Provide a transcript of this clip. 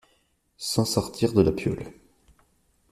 ... sans sortir de la piaule...